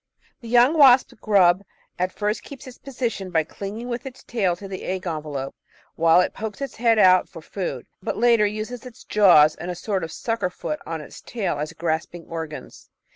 The young wasp grub at first keeps its position by clinging with its tail to the egg envelope while it pokes its head out for food, but later it uses its jaws and a sort of sucker foot on its tail as grasping organs.